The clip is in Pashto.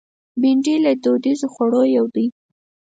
بېنډۍ له دودیزو خوړو یو دی